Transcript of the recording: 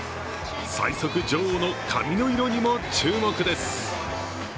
最速女王の髪の色にも注目です。